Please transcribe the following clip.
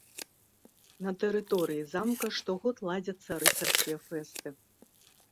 На тэрыторыі замка штогод ладзяцца рыцарскія фэсты.